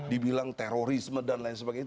dibilang terorisme dan lain sebagainya